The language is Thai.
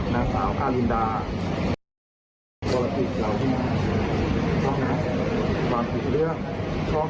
โดยเจ้าหนี้บรวดความมันทดกัน